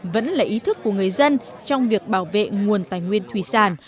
vẫn là ý thức của người dân trong việc bảo vệ nguồn tài nguyên thủy sản